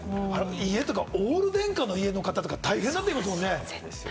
オール電化の家の方とか大変だって言いますもんね。